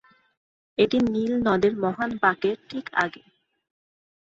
এটি নীল নদের মহান বাঁকের ঠিক আগে।